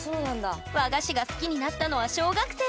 和菓子が好きになったのは小学生の頃！